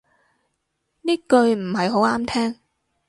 呢句唔係好啱聽